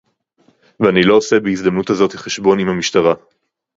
ואני לא עושה בהזדמנות הזאת חשבון עם המשטרה